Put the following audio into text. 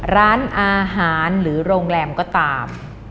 ร้านอาหารหรือโรงแรมก็ตาม